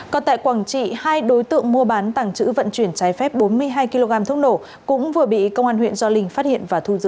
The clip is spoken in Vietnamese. còn tại quảng trị hai đối tượng mua bán tàng trữ vận chuyển trái phép bốn mươi hai kg thuốc nổ cũng vừa bị công an huyện gio linh phát hiện và thu giữ